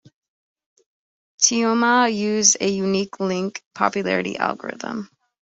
Teoma used a unique link-popularity algorithm.